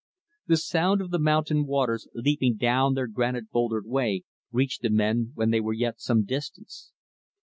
The sound of the mountain waters leaping down their granite bouldered way reached the men while they were yet some distance.